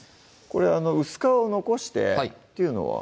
これ薄皮を残してっていうのは？